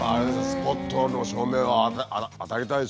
スポットの照明を当たりたいでしょうよ。